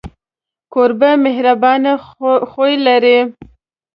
کوربه د مهربانۍ خوی لري.